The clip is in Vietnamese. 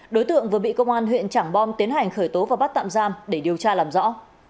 đối tượng vừa bị công an huyện trảng bom tiến hành khởi tố và bắt tạm giam để điều tra làm rõ